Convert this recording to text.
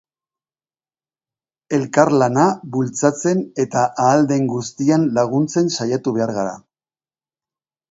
Elkarlana bultzatzen eta ahal den guztian laguntzen saiatu behar gara.